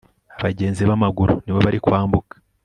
abagenzi bamaguru nibo bari kwambuka